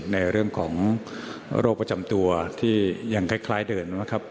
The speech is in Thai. ในเรื่องของโรคประจำตัวที่ยังคล้ายเดินนะครับ